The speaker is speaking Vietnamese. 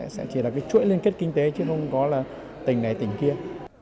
sẽ chỉ là chuỗi liên kết kinh tế chứ không có tỉnh này tỉnh kia